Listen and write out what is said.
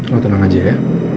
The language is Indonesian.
lo tenang aja ya